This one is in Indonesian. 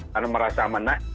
karena merasa aman